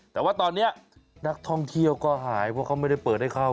แต่ว่าตอนนี้นักท่องเที่ยวก็หายเพราะเขาไม่ได้เปิดให้เข้า